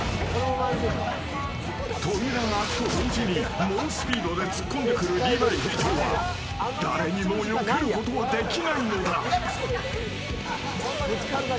扉が開くと同時に猛スピードで突っ込んでくるリヴァイ兵長は誰にもよけることはできないのだ。